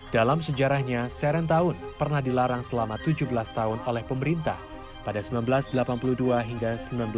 dalam sejarahnya serentawn pernah dilarang selama tujuh belas tahun oleh pemerintah pada seribu sembilan ratus delapan puluh dua hingga seribu sembilan ratus sembilan puluh